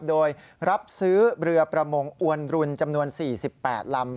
โดยรับซื้อเรือประมงอวนรุนจำนวน๔๘ลำ